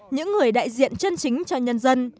những người đại diện chân chính cho nhân dân